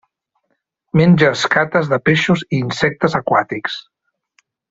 Menja escates de peixos i insectes aquàtics.